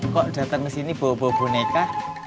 kok dateng kesini bawa bawa boneka